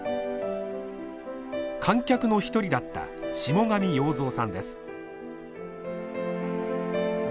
観客の一人だった下神洋造さんです。